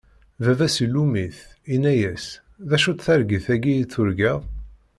Baba-s ilumm-it, inna-as: D acu-tt targit-agi i turgaḍ?